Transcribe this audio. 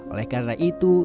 oleh karena itu